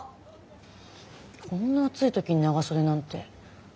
こんな暑い時に長袖なんておかしいな。